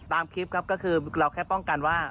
ตามคลิปครับก็คือเราแค่ป้องกันว่า